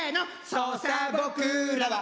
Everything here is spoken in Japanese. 「そうさ僕らは」